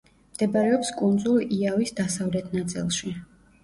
მდებარეობს კუნძულ იავის დასავლეთ ნაწილში.